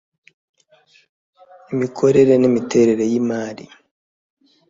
imikorere n imiterere y imari